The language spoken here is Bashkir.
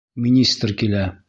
Министр килә!